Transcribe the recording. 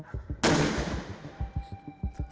tidak ada yang bisa ditemukan